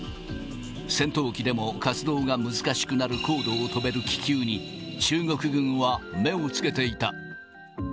戦闘機でも活動が難しくなる高度を飛べる気球に、中国軍は目をつけていた。